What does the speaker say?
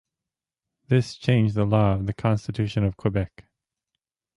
This changed the law of the constitution of Quebec.